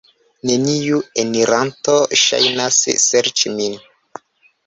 Neniu eniranto ŝajnas serĉi min.